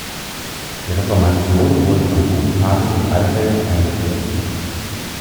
Die Reformation wurde von Bugenhagen in Alfeld eingeführt.